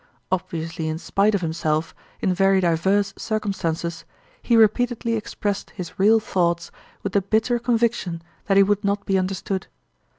Obviously in spite of himself, in very diverse circumstances, he repeatedly expressed his real thoughts with the bitter conviction that he would not be understood.